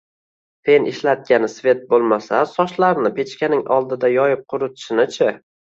Fen ishlatgani svet bo‘lmasa sochlarini pechkaning oldida yoyib quritishini-chi?